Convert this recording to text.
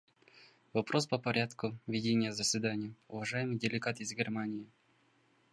Вопрос по порядку ведения заседания; уважаемый делегат из Германии.